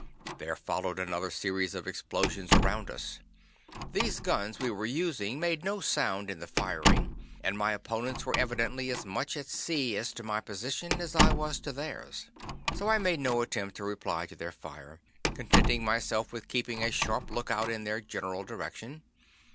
There followed another series of explosions around us. These guns we were using made no sound in the firing, and my opponents were evidently as much at sea as to my position as I was to theirs. So I made no attempt to reply to their fire, contenting myself with keeping a sharp lookout in their general direction.